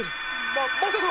ままさか！